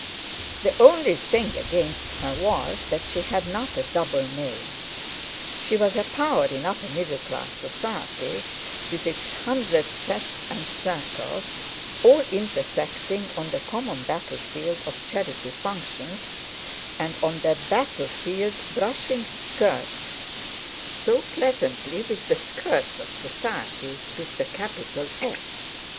The only thing against her was that she had not a double name. She was a power in upper middle class society, with its hundred sets and circles, all intersecting on the common battlefield of charity functions, and on that battlefield brushing skirts so pleasantly with the skirts of Society with the capital "S."